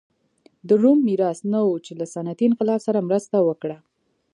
د روم میراث نه و چې له صنعتي انقلاب سره مرسته وکړه.